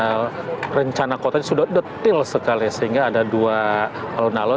ini sudah dirancang oleh belanda bahkan rencana kotanya sudah detail sekali sehingga ada dua alun alun